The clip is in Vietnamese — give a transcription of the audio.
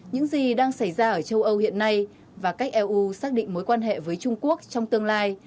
những gì đang xảy ra ở châu âu hiện nay và cách eu xác định mối quan hệ với trung quốc trong tương lai